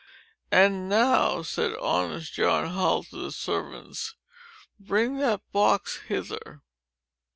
"And now," said honest John Hull to the servants, "bring that box hither."